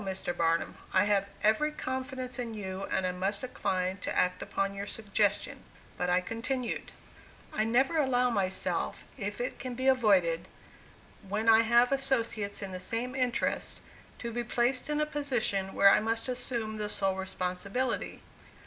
Mr. Barnum; I have every confidence in you and I must decline to act upon your suggestion"; but I continued: "I never allow myself, if it can be avoided, when I have associates in the same interests, to be placed in a position where I must assume the sole responsibility.